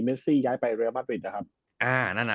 เมซี่ย้ายไปเรียลมาตรวินนะครับอ่านั่นอ่ะ